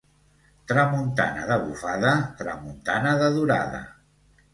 Tramuntana de bufada, tramuntana de durada.